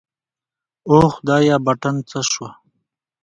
اوه خدايه بټن څه سو.